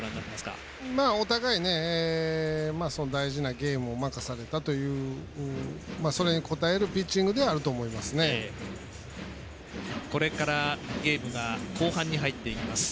お互い、大事なゲームを任されたという、それに応えるピッチングではあるとこれからゲームが後半に入っていきます。